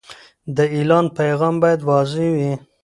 د اعلان پیغام باید واضح وي.